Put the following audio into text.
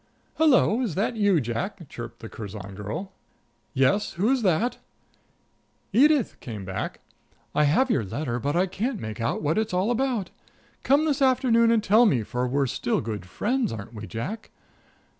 "Hello! Is that you, Jack?" chirped the Curzon girl. "Yes. Who is that?" "Edith," came back. "I have your letter, but I can't make out what it's all about. Come this afternoon and tell me, for we're still good friends, aren't we, Jack?"